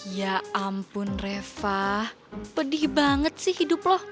ya ampun reva pedih banget sih hidup loh